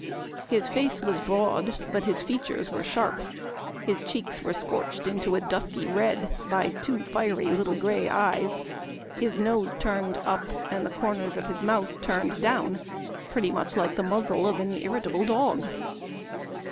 His face was broad, but his features were sharp ; his cheeks were scorched into a dusky red by two fiery little gray eyes ; his nose turned up, and the corners of his mouth turned down, pretty much like the muzzle of an irritable dog."